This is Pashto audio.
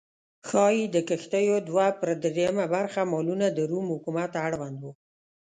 ښايي د کښتیو دوه پر درېیمه برخه مالونه د روم حکومت اړوند و